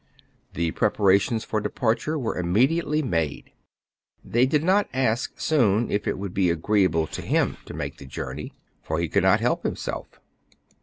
The preparations for departure werejmmediately made. They did not ask Soun if it would be agreeable to him to make the journey; for he could not help himself.